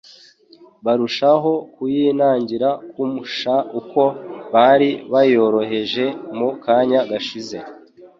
barushaho kuyinangira kumsha uko bari bayoroheje mu kanya gashize.